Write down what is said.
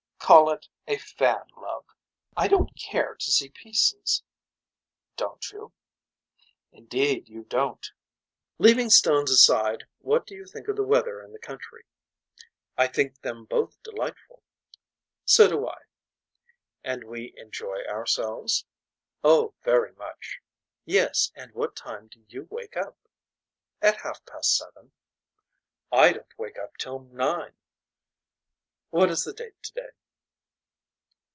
Call it a fan love. I don't care to see pieces. Don't you. Indeed you don't. Leaving stones aside what do you think of the weather and the country. I think them both delightful. So do I. And we enjoy ourselves. Oh very much. Yes and what time do you wake up. At half past seven. I don't wake up till nine. What is the date today.